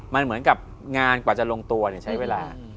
มันเหมือนกับงานกว่าจะลงตัวใช้เวลา